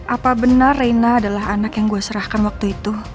apa benar reina adalah anak yang gue serahkan waktu itu